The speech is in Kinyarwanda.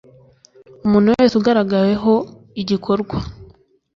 umuntu wese ugaragaweho igikorwa